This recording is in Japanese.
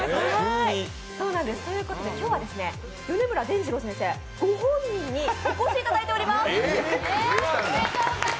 ということで今日は米村でんじろう先生、ご本人にお越しいただいております！